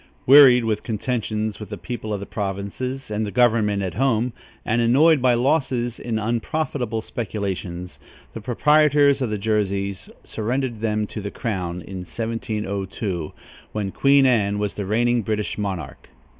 Wearied with contentions, with the people of the provinces and with the government at home, and annoyed by losses in unprofitable speculations, the proprietors of the Jerseys surrendered them to the crown, in 1702, when Queen Anne was the reigning British monarch.